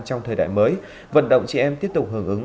trong thời đại mới vận động chị em tiếp tục hưởng ứng